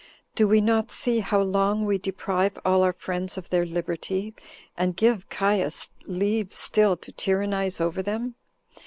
Do we not see how long we deprive all our friends of their liberty, and give Caius leave still to tyrannize over them?